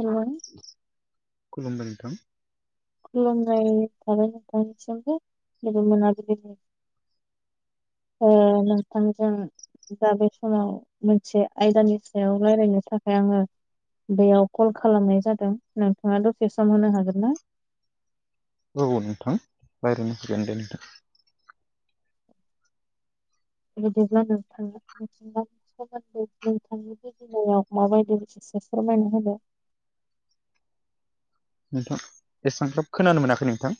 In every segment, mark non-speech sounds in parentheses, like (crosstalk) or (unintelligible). Hello खुलुमबाय नोंथां। खुलुमनाय थाबाय नोंथांनिसिमबो गोजोन मोनाबिलिनि ओ‌ नोंथांजों दा बे समाव मोनसे आयदानि सायाव रायज्लायनो थाखाय आङो बेयाव कल खालामनाय जादों नोंथाङा दसे सम होनो हागोन ना औ औ नोंथां रायज्लायनो हागोन दे नोंथां बिदिब्लाा नोंथाङा माबायदि इसे फोरमायना होदो नोंथां एसेबां खोब खोनानो मोनाखै नोंथां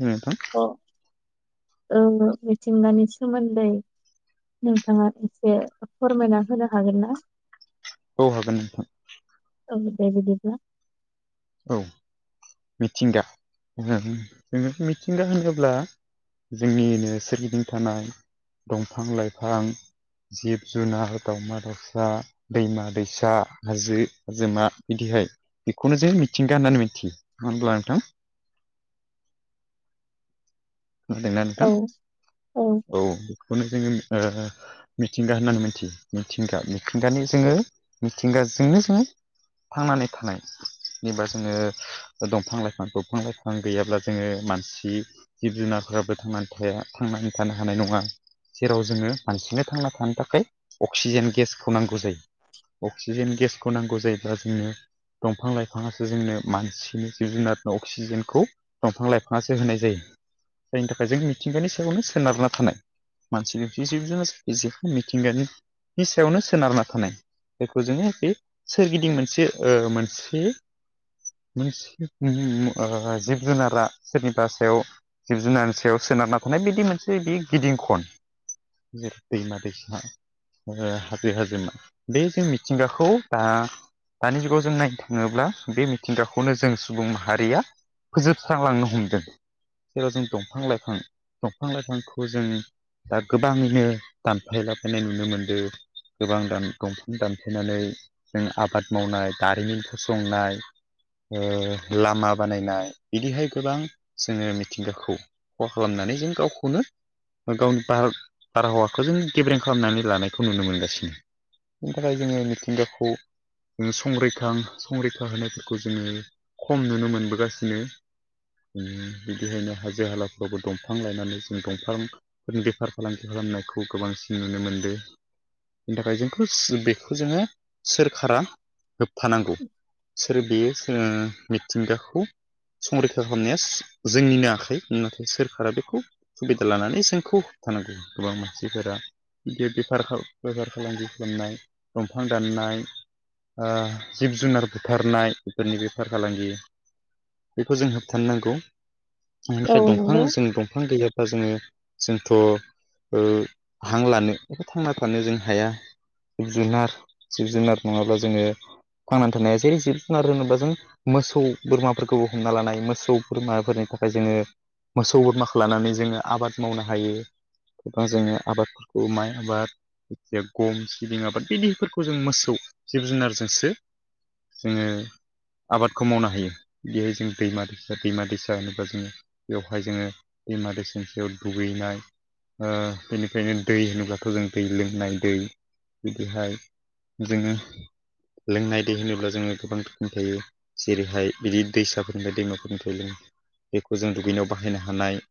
नोंथां। (unintelligible) मिथिंगानि सोमोन्दै नोंथाङा एसे फोरमायना होनो हागोन ना औ हागोन नोंथां औ दे बिदिब्ला औ मिथिंगा जों मिथिंगा होनोब्ला जोंनिनो सोरगिदिं थानाय दंफां लाइफां जिब जुनार दावमा दाउसा दैमा दैसा हाजो हाजोमा बिदिहाय बेखौनो (unintelligible) मिथिंगा होननानै मिथियो होनब्ला नोंथां खोनादोंना औ नोंथां औ बेखौनो जोङो ओ मिथिंगा होननानै मिथियो मिथिंगा मिथिंगानि जोङो मिथिंगाजोंनो जोङो थांनानै थानाय (unintelligible) जोङो ओ दंफां लाइफां दंफां लाइफां गैयाब्ला जोङो मानसि जिब जुनारफोराबो थांनानै थाया थांनानै थानो हानाय नङा जेराव जोङो मानसिनो थांना थानो थाखाय अक्सिजेन गेसखौ नांगौ जायो अक्सिजेन गेसखौ नांगौ जायोब्ला जोंनो दंफां लाइ दंफाङासो जोंनो मानसिनि जिब जुनारनो अक्सिजेनखौ दंफां लाइफाङासो होनाय जायो जायनि थाखाय जों मिथिंगानि सायावनो सोनारना थानाय मानसिनि जिब (unintelligible) मिथिंगानि नि सायावनो सोनारना थानाय जायखौ जोङो बे सोरगिदिं मोनसे ओ मोनसे (unintelligible) ओ जिब जुनारा सोरनिबा सायाव जिब जुनारनि सायाव सोनारना थानाय बिदि मोनसे बि गिदिं खन जेरै दैमा दैसा ओ हाजो हाजोमा बे जों मिथिंगाखौ दा दानि जुगाव जों नायनो थाङोब्ला बे मिथिंगाखौनो जों सुबुं माहारिया फोजोबस्रांलांनो हमदों जेराव जों दंफां लाइफां दंफां लाइफांखौ जों दा गोबाङैनो दानफायला बायनाय नुनो मोनदों गोबां (unintelligible) दानफायनानै जों आबाद मावनाय दारिमिन फसंनाय ओ लामा बानायनाय बिदिहाय गोबां जोङो मिथिंगाखौ खहा खालामनानै जों गावखौनो बा गावनि बार बारहावाखौ जों गेब्रें खालामनानै लानायखौ नुनो मोनगासिनो बिनि थाखाय जोङो मिथिंगाखौ जों संरैखा संरैखा होनो खौ जोङो खम नुनो मोनबोगासिनो उम बिदिहायनो हाजो हालाफ्रावबो दंफां लायनानै जों दंफां बेफार फालांगि खालामनायखौ गोबांसिन नुनो मोनदों बेनि थाखाय जोंखौ बेखौ जोङो सोरखारा होबथानांगौ आरो बेयो ओ मिथिंगाखौ संरैखा खालामनाया जोंनिनो आखाइ होननानै सोरखारा बेखौ सुबिदा लानानै जोंखौ होबथानांगौ गोबां मानसिफोरा (unintelligible) बेफार खा बेफार फालांगि खालामनाय दंफां दाननाय ओ जिब जुनार बुथारनाय बेफोरनि बेफार फालांगि बेखौ जों होबथानो नांगौ औ बेनिफ्राय दंफां नंगौ जों दंफां गैयाबा जोङो जोंथ ओ हां लानो एबा थांना थानो जों हाया जिब जुनार जिब जुनार नङाब्ला जोङो थांनानै थानाया जेरै जिब जुनार होनोबा जों मोसौ बोरमाफोरखौबो हमना लानाय मोसौ बोरमाफोरनि थाखाय जोङो मोसौ बोरमाखौ लानानै जोङो आबाद मावनो हायो बा जोङो आबादफोरखौ माइ आबाद जे गम सिबिं आबाद बिदिफोरखौ जों मोसौ जिब जुनारजोंसो जोङो आबादखौ मावनो हायो बेहाय जों दैमा-दैसा दैमा-दैसा होनोबा जोङो बेवहाय जोङो दैमा दैसानि सायाव दुगैनाय ओ बेनिखायनो दै होनोब्लाथ' जों दै लोंनाय दै बिदिहाय जोङो लोंनाय दै होनोब्ला जोङो गोबां रोखोमनि थायो जेरैहाय बिदि दैसाफोरनिफ्राय दैमाफोरनिफ्राय लों बेखौ जों दुगैनायाव बाहायनो हानाय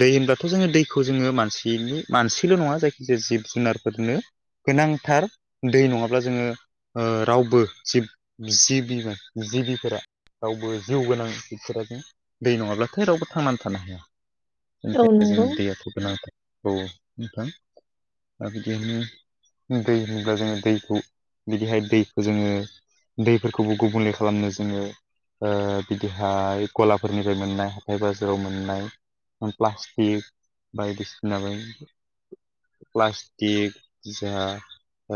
दै होनब्लाथ' जोङो दैखौ जोङो मानसिनि मानसिल' नङा जायखिजाया जिब जुनारफोरनो गोनांथार दै नङाब्ला जोङो ओ रावबो जिब जिबि (unintelligible) जिबिफोरा रावबो जिउ गोनां बिसोर (unintelligible) दै नङाब्लाथाय रावबो थांनानै थानो हाया औ बेनिखायनो जों नंगौ दै (unintelligible) खौ गोनांथार औ नोंथां दा बिदिनो दै होनोब्ला जोङो दैखौ बिदिहाय दैखौ जोङो दैफोरखौबो गुबुंले खालामनो जोङो ओ बिदिहाय गलाफोरनिफ्राय मोननाय हाथाय बाजाराव मोननाय (unintelligible) प्लास्टिक बायदिसिनाबो प्लास्टिक जा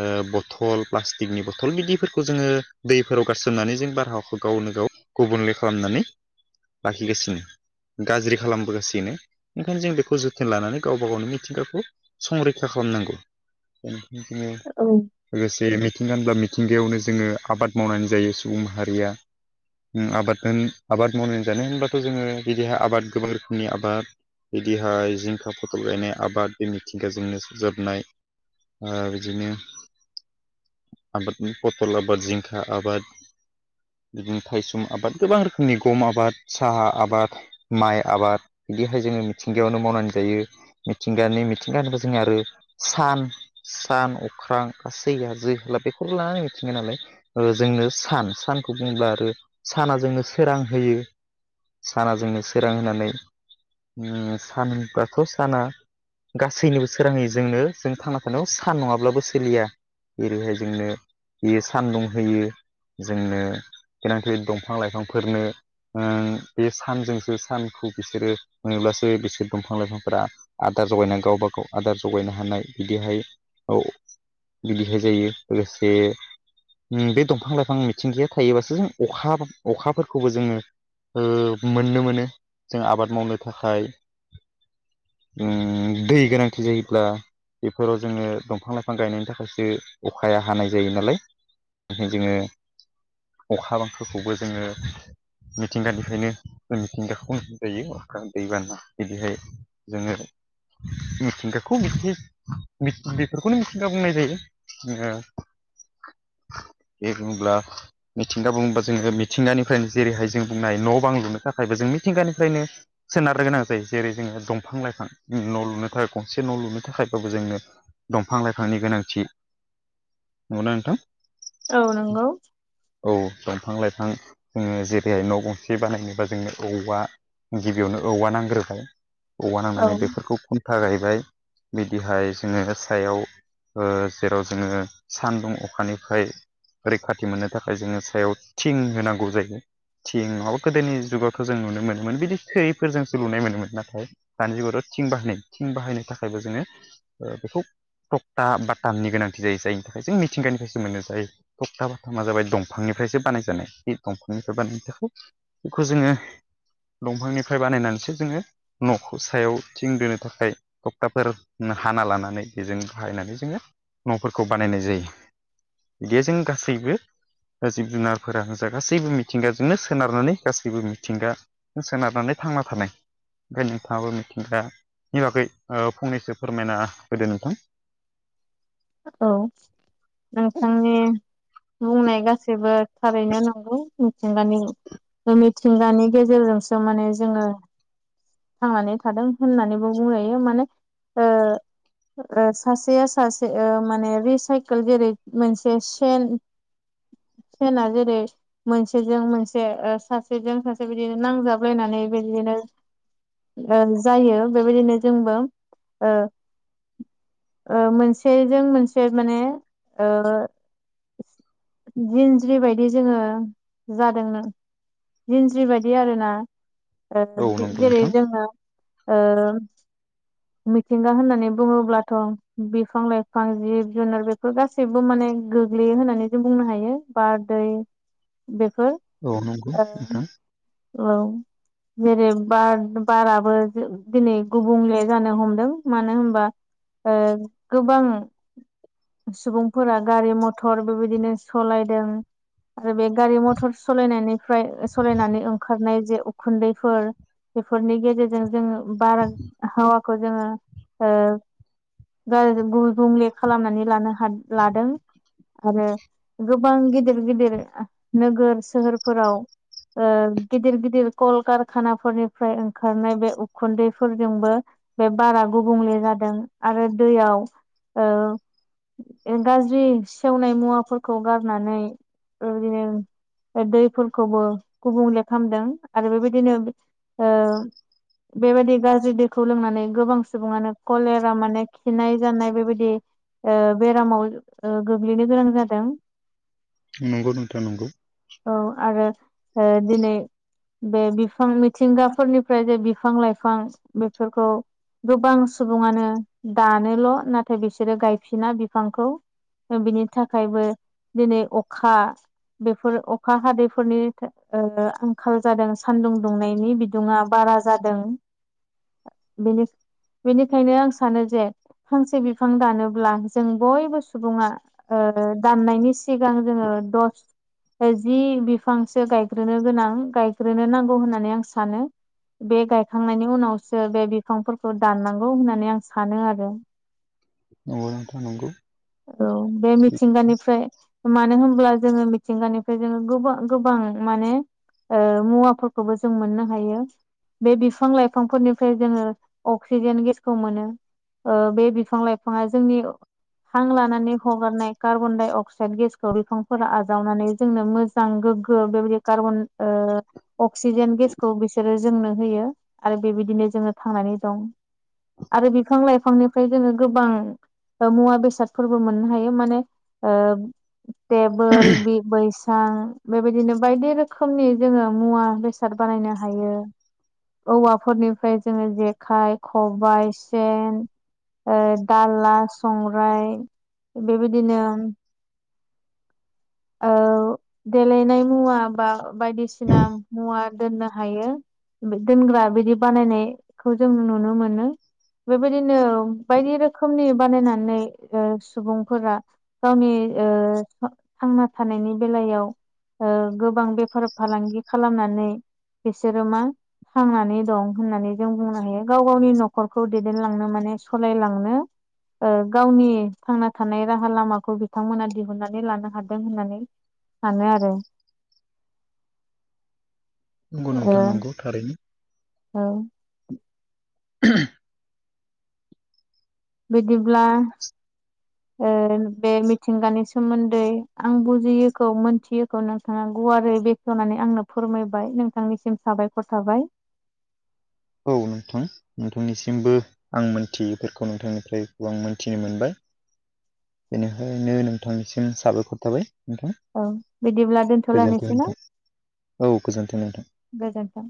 ओ बथल प्लास्टिकनि बथल बिदिफोरखौ जोङो दैफोराव गारसोमनानै जों बारहावाखौ गावनो गाव गुबुनले खालामनानै लाखिगासिनो गाज्रि खालामबोगासिनो ओंखायनो जों बेखौ जोथोन लानानै गावबा गावनो मिथिंगाखौ संरैखा खालामनांगौ औ लोगोसे मिथिंगा होनब्ला मिथिंगायावनो जोङो आबाद मावनानै जायो सुबुं माहारिया उ आबाददो आबाद मावनानै जानो होनबाथ' जोङो बिदिहाय आबाद गोबां रोखोमनि आबाद बिदिहाय जिंखा फथल गायनाय आबाद बे मिथिंगाजोंनो जोबनाय ओ बिदिनो आबादनि पथल आबाद जिं खा आबाद बिदिनो थायसुम आबाद गोबां रोखोमनि गम आबाद साहा आबाद माइ आबाद बिदिहाय जोङो मिथिंगायावनो मावनानै जायो मिथिंगानि मिथिंगा होनबा जों आरो सान सान अख्रां गासै हाजो हाला बेफोरखौ लानानै मिथिंगा नालाय ओ जोंनो सान सानखौ बुङोब्ला आरो साना जोंनो सोरां होयो साना जोंनो सोरां होनानै उ सान होनबाथ' साना गासैनिबो सोराङै जोंनो जों थांना थानायाव सान नङाब्लाबो सोलिया एरैहाय जोंनो बेयो सान्दुं होयो जोंनो (unintelligible) दंफां-लाइफांफोरनो ओ बे सानजोंसो सानखौ बिसोरो मोनोब्लासो बिसोर दंफां लाइफांफोरा आदार जगायना गावबा गाव आदार जगायनो हानाय बिदिहाय औ बिदिहाय जायो लोगोसे उ बे दंफां लाइफां मिथिंगाया थायोबासो अखा अखाफोरखौबो जोङो उ मोननो मोनो जों आबाद मावनो थाखाय उम दै गोनांथि जायोब्ला बेफोराव जोङो दंफां लाइफां गायनायनि थाखायसो अखाया हानाय जायो नालाय। नाथाय जोङो अखा बांखोखौबो जोङो मिथिंगानिफ्रायनो उम मिथिंगाखौ (unintelligible) जायो अखा दैबाना बिदिहाय जोङो मिथिंगाखौ बिदि बिद बेफोरखौनो मिथिंगा बुंनाय जायो। जोङो एखमब्ला मिथिंगा बुङोबा जोङो मिथिंगानिफ्रायनो जेरैहाय जों बुंनो हायो न' बां लुनो थाखायबो जों मिथिंगानिफ्रायनो सोनारनो गोनां जायो जेरै जोङो दंफां लाइफां न' लुनो थाखाय गंसे न' लुनो थाखायबाबो जोंनो दंफां लाइफांनि गोनांथि नंगौना नोंथां। औ नंगौ। औ दंफां लाइफां जोङो जेरैहाय न' गंसे बानायनोबा जोंनो औवा गिबियावनो औवा नांग्रोबाय औवा औ नांनानै बेफोरखौ खुन्था गायबाय बिदिहाय जोङो सायाव ओ जेराव जोङो सानदुं अखानि फाय रैखाथि मोननो थाखाय जोङो सायाव थिं होनांगौ जायो। थिं नङाबा गोदोनि जुगावथ' जों नुनो मोनोमोन बिदि थोरि फोरजोंसो लुनाय मोनोमोन। नाथाय दानि जुगावथ' थिं बाहायनाय थिं बाहायनो थाखायबो जोंनो ओ बेखौ थकथा बाटामनि गोनांथि जायो जायनि थाखाय जों मिथिंगानिफायसो जों मोनोखाय तकता बाथामा जाबाय दंफांनिफ्रायसो बानाय जानाय बे दंफांनिफ्राय बानायनो थाखाय इखौ जोङो दंफांनिफ्राय बानायनानैसो जोङो न'खौ सायाव थिं दोनो थाखाय तकताफोर उम हाना लानानै बेजों बाहायनानै जोङो न'फोरखौ बानायनाय जायो। दे जों गासैबो ओ जिब जुनारफोरा जा गासैबो मिथिंगाजोंनो सोनारनानै गासैबो मिथिंगा ओ सोनारनानै थांना थानाय फ्राय नोंथाङाबो मिथिंगानि बागै ओ फंनैसो फोरमायना होदो नोंथां। औ नोंथांनि बुंनाय गासैबो थारैनो नंगौ मिथिंगानि ओ मिथिंगानि गेजेरजोंसो माने जोङो थांनानै थादों होननानैबो बुंजायो मानो ओ ओ सासेया सास से ओ माने रिसाय कोल जेरै मोनसे सेन सेना जेरै मोनसेजों मोनसे ओ सासेजों सासे बिदिनो नांजाबलायनानै बिदिनो ओ जायो बेबायदिनो जोंबो ओ ओ मोनसेजों मोनसे माने ओ जिनज्रि बायदि जोङो जादोंनो जिनज्रि बायदि आरोना ओ औ नंगौ जे-जेरै नोंथां जोङो ओ मिथिंगा होननानै बुङोब्लाथ' बेफ फां लाइफां जिब जुनार बेफोर गासैबो माने गोग्लैयो होननानै जों बुंनो हायो। बार, दै बेफोर औ नंगौ नोंथां ओम औ जेरै बार बाराबो जो दिनै गुबुंले जानो हमदों मानो होमबा ओ गोबां सुबुंफोरा गारि मथर बेबायदिनो सलायदों। आरो बे गारि मथर सलायनायनिफ्राय सलायनानै ओंखारनाय जे उखुन्दैफोर बेफोरनि गेजेरजों जोङो बारहावाखौ जोङो ओ बार गुबुंले खालामनानै लानो हा लादों आरो गोबां गिदिर गिदिर नोगोर सोहोरफोराव ओ गिदिर गिदिर कल कारखानाफोरनिफ्राय ओंखारनाय बे उखुन्दैफोरजोंबो बे बारा गुबुंले जादों आरो दैयाव ओ गाज्रि सेवनाय मुवाफोरखौ गारनानै ओरैनो दैफोरखौबो गुबुंले खालामदों आरो बेबायदिनो ओ बेबायदि गाज्रि दैखौ लोंनानै गोबां सुबुङानो कलेरा माने खिनाय जानाय बेबायदि ओ बेरामाव ओ गोग्लैनो गोनां जादों। नंगौ नोंथां नंगौ औ आरो ओ दिनै बे बिफां मिथिंगाफोरनिफ्राय जे बिफां लाइफां बेफोरखौ गोबां सुबुङानो दानोल' नाथाय बिसोरो गायफिना बिफांखौ बिनि थाखायबो दिनै अखा बेफोर अखा हादैफोरनि ओ आंखाल जादों सानदुं दुंनायनि बिदुङा बारा जादों। बेनि बेनिखायनो आं सानो जे फांसे बिफां दानोब्ला जों बयबो सुबुङा ओ दाननायनि सिगां जोङो दस जि बिफांसो गायग्रोनो गोनां गायग्रोनो नांगौ होननानै आं सानो। बे गायखांनायनि उनावसो बे बिफांफोरखौ दाननांगौ होननानै आं सानो आरो नंगौ नोंथां नंगौ औ बे मिथिंगानिफ्राय मानो होनब्ला जोङो मिथिंगानिफ्राय जोङो गोबा-गोबां माने ओ मुवाफोरखौबो जों मोननो हायो। बे बिफां लाइफांफोरनिफ्राय जोङो अक्सिजेन गेसखौ मोनो। ओ बे बिफां लाइफाङा जोंनि हां लानानै हगारनाय कार्बन डाइ अक्साइद गेसखौ बिफांफोरा आजावनानै जोंनो मो जां गोग्गो बेबायदि कार्बन ओ अक्सिजेन गेसखौ बिसोरो जोंनो होयो आरो बेबायदिनो जोङो थांनानै दं। आरो बिफां लायफांनिफ्राय जोङो गोबां मुवा बेस सादफोरबो मोननो हायो माने ओ टेबोल बि बैस सां बेबायदिनो बायदि रोखोमनि जोङो मुवा बेसाद बानायनो हायो। औवाफोरनिफ्राय जोङो जेखाइ, खबायाइ, सेन ओ दाला, संग्राय बेबायदिनो ओ देलायनाय मुवा बा बायदिसिना मुवा दोननो हायो। दोनग्रा बिदि बानायनायखौ जों नुनो मोनो। बेबायदिनो बायदि रोखोमनि बानायनानै सुबुंफोरा गावनि ओ थांना थानायनि बेलायाव ओ गोबां बेफार फालांगि खालामनानै बिसोरो मा? थांनानै दं होननानै जों बुंनो हायो गाव गावनि न'खरखौ दैदेनलांनो माने सलायलांनो ओ गावनि थांना थानाय राहा लामाखौ बिथांमोना दिहुननानै लानो हाद दों होननानै सानो आरो नंगौ ओ नोंथां नंगौ थारैनो। औ बिदिब्ला ओ बे मिथिंगानि सोमोन्दै आं बुजियैखौ मोनथियैखौ नोंथाङा गुवारै बेख होनानै आंनो फोरमायबाय नोंथांनिसिम साबायखर थाबाय। औ नोंथां। नोंथांनिसिमबो आं मोनथियैफोरखौ नोंथांनिफ्रायबो आं मोनथिनो मोनबाय। बेनिखायनो नोंथांनिसिम साबायखर थाबाय। नोंथां औ बिदिब्ला गोजोनथों दोनथ'लायनोसै नोंथां औ गोजोनथों नोंथां। गोजोनथों।